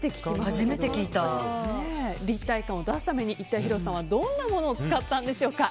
立体感を出すために一体ヒロさんはどんなものを使ったんでしょうか。